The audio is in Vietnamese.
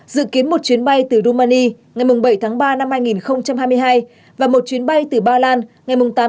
dự kiến một chuyến bay từ romania ngày bảy tháng ba năm hai nghìn hai mươi hai và một chuyến bay từ ba lan ngày tám tháng ba năm hai nghìn hai mươi hai